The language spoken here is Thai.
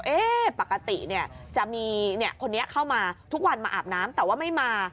ปกติเนี่ยจะมีคนนี้เข้ามาทุกวันมาอาบน้ำแต่ว่าไม่มา